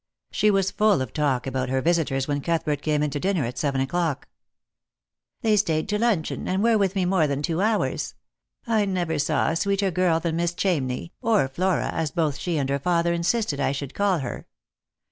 She was full of talk about her visitors when Cuthbert came in to dinner at seven o'clock. " They stayed to luncheon, and were with me more than two hours. I never saw a sweeter girl than Miss Chamney, or Flora, as both she and her father insisted I should call her."